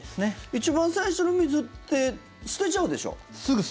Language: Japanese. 一番最初の水って捨てちゃうでしょ。